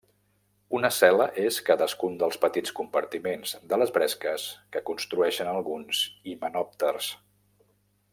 Una cel·la és cadascun dels petits compartiments de les bresques que construeixen alguns himenòpters.